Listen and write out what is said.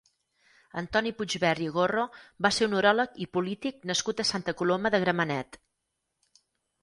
Antoni Puigvert i Gorro va ser un uròleg i polític nascut a Santa Coloma de Gramenet.